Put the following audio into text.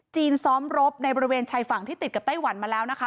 ซ้อมรบในบริเวณชายฝั่งที่ติดกับไต้หวันมาแล้วนะคะ